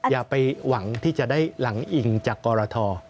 อย่าไปหวังที่จะได้หลังอิงจากกรท